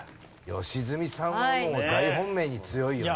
良純さんはもう大本命に強いよねこれは。